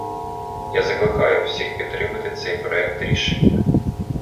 Я закликаю всіх підтримати цей проект рішення!